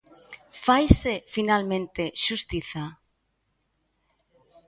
Faise, finalmente, xustiza?